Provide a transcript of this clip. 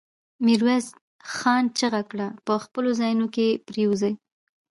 ميرويس خان چيغه کړه! په خپلو ځايونو کې پرېوځي.